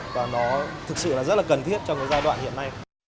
và nó thực sự là rất là cần thiết trong giai đoạn hiện nay